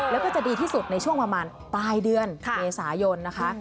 แล้วก็จะดีที่สุดในช่วงประมาณปลายเดือนเมษายนนะคะ